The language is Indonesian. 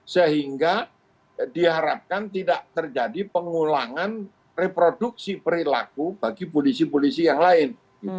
sehingga diharapkan tidak terjadi pengulangan reproduksi perilaku bagi polisi polisi yang lain